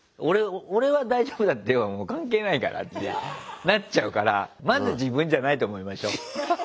「俺は大丈夫だったよ」は関係ないからあっちなっちゃうからまず自分じゃないと思いましょう。